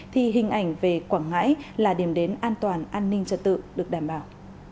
thì hình ảnh về quảng ngãi là điểm đến an toàn an ninh trật tự được đảm bảo